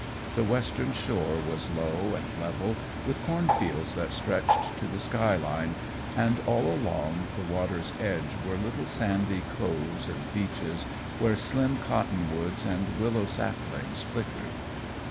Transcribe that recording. The western shore was low and level, with corn fields that stretched to the sky line, and all along the water's edge were little sandy coves and beaches where slim cottonwoods and willow saplings flickered.